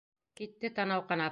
Китте танау ҡанап.